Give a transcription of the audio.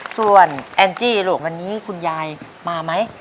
ส่วนแอนจี้ลูกวันนี้คุณยายมาไหม